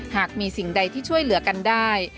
หากมีสิ่งใดที่ช่วยเหลือกันได้